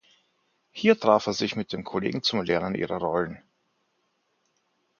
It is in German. Hier traf er sich mit Kollegen zum Erlernen ihrer Rollen.